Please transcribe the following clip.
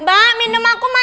mbak minum aku mana